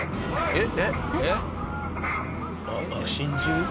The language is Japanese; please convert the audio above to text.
えっ！？